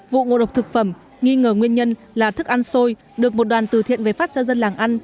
vụ ngộ độc thực phẩm nghi ngờ nguyên nhân là thức ăn xôi được một đoàn từ thiện về phát cho dân làng ăn